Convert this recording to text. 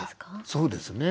そうですね。